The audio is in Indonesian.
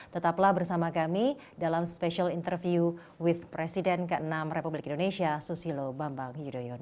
tetaplah bersama kami dalam special interview with presiden ke enam republik indonesia susilo bambang yudhoyono